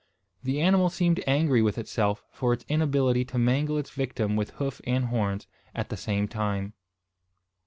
The animal seemed angry with itself for its inability to mangle its victim with hoof and horns, at the same time.